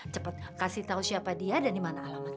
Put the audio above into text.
cepat kasih tau siapa dia dan dimana alamat